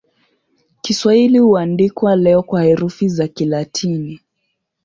Kiswahili huandikwa leo kwa herufi za Kilatini.